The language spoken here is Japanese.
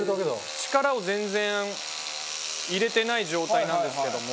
力を全然入れてない状態なんですけども。